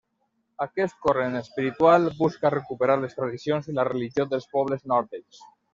Aquest corrent espiritual busca recuperar les tradicions i la religió dels pobles nòrdics.